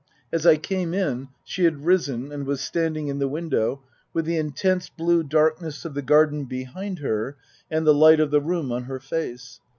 As I came in she had risen and was standing in the window, with the intense blue darkness of the garden behind her and the light of the room on her face.